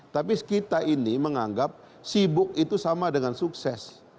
tapi kita ini menganggap sibuk itu sama dengan sukses